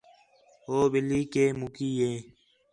ہو ٻِلّھی کے مکی ہے